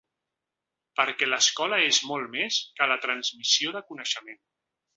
Perquè l’escola és molt més que la transmissió de coneixement.